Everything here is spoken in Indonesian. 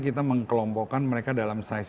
kita mengkelompokkan mereka dalam size